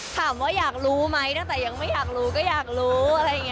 ถามว่าอยากรู้ไหมตั้งแต่ยังไม่อยากรู้ก็อยากรู้